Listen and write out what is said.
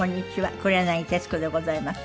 黒柳徹子でございます。